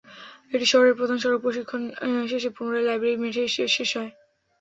এটি শহরের প্রধান সড়ক প্রদক্ষিণ শেষে পুনরায় লাইব্রেরি মাঠে এসে শেষ হয়।